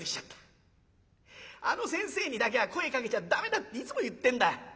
あの先生にだけは声かけちゃ駄目だっていつも言ってんだ。